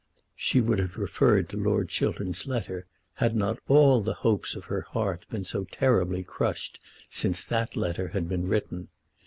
She would have referred to Lord Chiltern's letter had not all the hopes of her heart been so terribly crushed since that letter had been written.